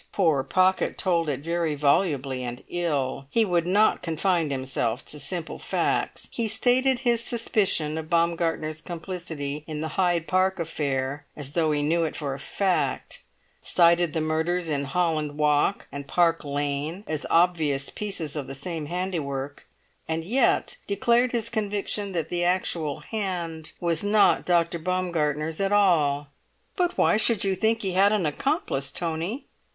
Poor Pocket told it very volubly and ill; he would not confine himself to simple facts. He stated his suspicion of Baumgartner's complicity in the Hyde Park affair as though he knew it for a fact; cited the murders in Holland Walk and Park Lane as obvious pieces of the same handiwork, and yet declared his conviction that the actual hand was not Dr. Baumgartner's at all. "But why should you think he had an accomplice, Tony?"